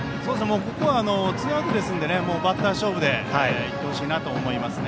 ここはツーアウトですのでバッター勝負でいってほしいなと思います。